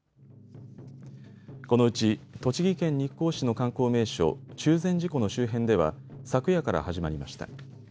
このうち、栃木県日光市の観光名所、中禅寺湖の周辺では昨夜から始まりました。